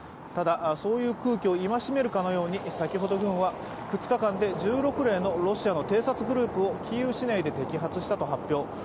ただ、そういう空気を戒めるかのように、先ほど軍は２日間で１６例のロシアの偵察グループをキーウ市内で摘発したと発表。